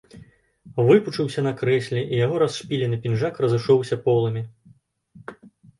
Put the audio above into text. Выпучыўся на крэсле, і яго расшпілены пінжак разышоўся поламі.